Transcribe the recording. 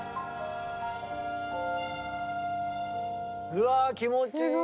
うわ気持ちいい。